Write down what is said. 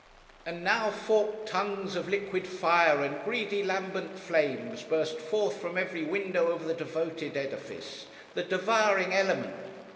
'And now forked tongues of liquid fire, and greedy lambent flames burst forth from every window of the devoted edifice. The devouring element